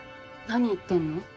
何言ってんの？